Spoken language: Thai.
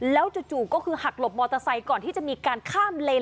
แล้วจู่ก็คือหักหลบมอเตอร์ไซค์ก่อนที่จะมีการข้ามเลน